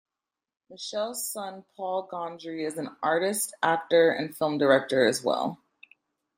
Michel's son Paul Gondry is an artist, actor, and film director as well.